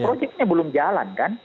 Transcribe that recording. proyeknya belum jalan kan